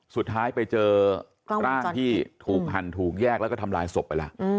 สุดท้ายไปเจอกล้างที่ถูกหั่นถูกแยกบารายระเบิดสมัครไปแล้ว